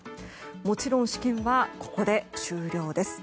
もちろん試験はここで終了です。